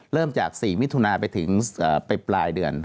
เริ่มจาก๔มิถุนาไปถึงไปปลายเดือน